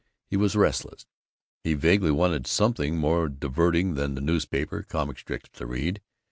He was restless. He vaguely wanted something more diverting than the newspaper comic strips to read.